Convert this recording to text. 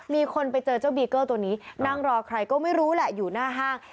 มีคนไปเจอเจ้าบีเกอร์ตัวนี้นั่งรอใครก็ไม่รู้แหละอยู่หน้าห้าง